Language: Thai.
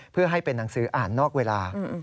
เพื่อให้เป็นหนังสืออ่านนอกเวลา